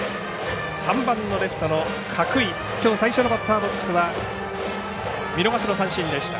３番レフトの角井きょう最初のバッターボックスは見逃しの三振でした。